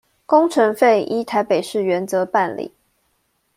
工程費依臺北市原則辦理